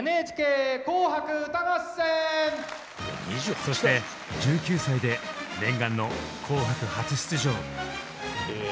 そして１９歳で念願の「紅白」初出場。